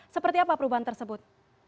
seperti apa perubahan tersebut